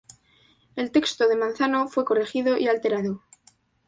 El texto de Manzano fue "corregido" y alterado.